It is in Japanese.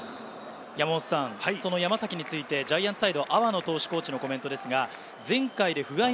その山崎について、ジャイアンツサイド、阿波野投手コーチのコメントです。